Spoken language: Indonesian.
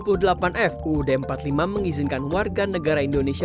pasal dua puluh delapan f uud empat puluh lima mengizinkan warga negara indonesia